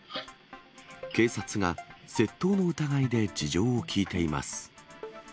警察が窃盗の疑いで事情を聴いています。